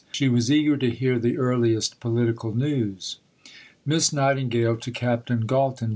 She was eager to hear the earliest political news: (_Miss Nightingale to Captain Galton.